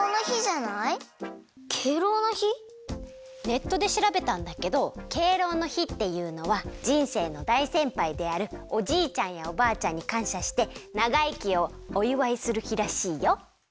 ネットでしらべたんだけど敬老の日っていうのはじんせいのだいせんぱいであるおじいちゃんやおばあちゃんにかんしゃしてながいきをおいわいする日らしいよ。